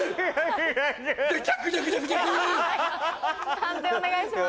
判定お願いします。